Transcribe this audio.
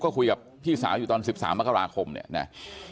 ก็คุยกับพี่สาวอยู่ตอน๑๓มกราคมเนี่ยนะ